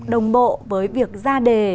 đồng bộ với việc ra đề